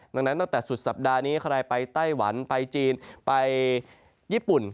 ดังนั้นตั้งแต่สุดสัปดาห์นี้ใครไปไต้หวันไปจีนไปญี่ปุ่น